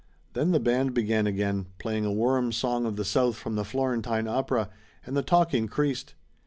Then the band began again, playing a warm song of the south from the Florentine opera, and the talk increased.